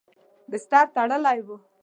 بستر تړلی و.